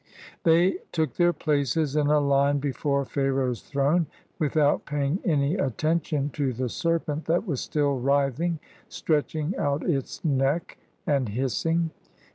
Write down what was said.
They took their places in a line before Pharaoh's throne, without paying any attention to the serpent that was still writhing, stretching out its neck, and hiss ing.